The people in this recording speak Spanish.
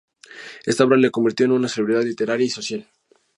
Esta obra le convirtió en una celebridad literaria y social.